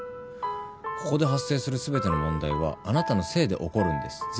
ここで発生する全ての問題はあなたのせいで起こるんです。